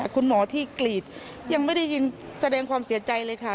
คุณหมอที่กรีดยังไม่ได้ยินแสดงความเสียใจเลยค่ะ